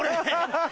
ハハハ！